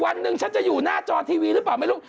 วันหนึ่งฉันจะอยู่หน้าจอทีวีหรือเปล่าไม่รู้